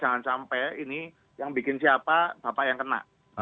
jangan sampai ini yang bikin siapa bapak yang kena